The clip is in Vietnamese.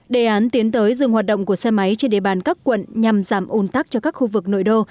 đề án tiến tới dừng hoạt động của xe máy trên địa bàn các quận nhằm giảm ồn tắc cho các khu vực nội đô